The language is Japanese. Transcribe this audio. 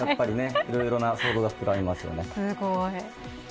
いろいろな想像が膨らみますね。